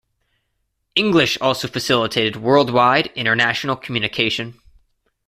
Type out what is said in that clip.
English also facilitated worldwide international communication.